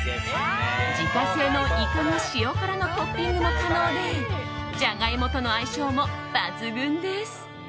自家製のイカの塩辛のトッピングも可能でジャガイモとの相性も抜群です。